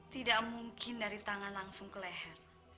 tidak mungkin dari tangan langsung ke leher